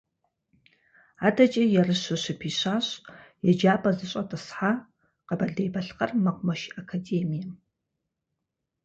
Адэкӏэ ерыщу щыпищащ еджапӏэ зыщӏэтӏысхьа Къэбэрдей-Балъкъэр мэкъумэш академием.